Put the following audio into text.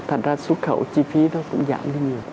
thành ra xuất khẩu chi phí nó cũng giảm đi nhiều